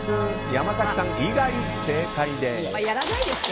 山崎さん以外正解です。